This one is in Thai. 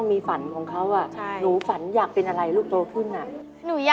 พี่แม่คนขออนุญาตกอร์ดหน่อย